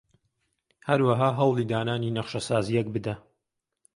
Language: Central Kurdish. هەروەها هەوڵی دانانی نەخشەسازییەک بدە